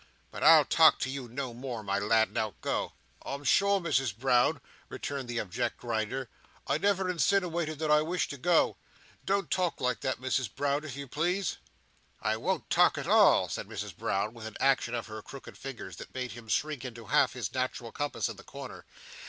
But I'll talk to you no more, my lad. Now go!" "I'm sure, Misses Brown," returned the abject Grinder, "I never insiniwated that I wished to go. Don't talk like that, Misses Brown, if you please." "I won't talk at all," said Mrs Brown, with an action of her crooked fingers that made him shrink into half his natural compass in the corner.